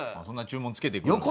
そんな注文つけてくる？